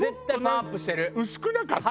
薄くなかった？